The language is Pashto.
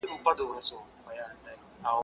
زه مخکي واښه راوړلي وو!!